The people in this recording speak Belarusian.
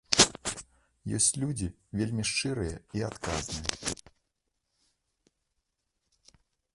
Ёсць людзі вельмі шчырыя і адказныя.